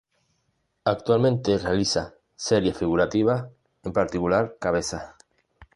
Actualmente realiza series figurativas, en particular cabezas.